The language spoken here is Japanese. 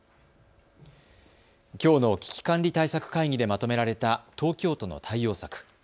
きょうの危機管理対策会議でまとめられた東京都の対応策。